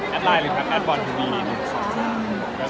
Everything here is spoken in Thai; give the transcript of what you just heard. แทบลายเลยครับผม